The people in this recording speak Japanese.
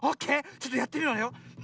ちょっとやってみるわよ。